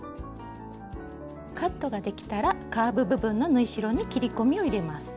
カットができたらカーブ部分の縫い代に切り込みを入れます。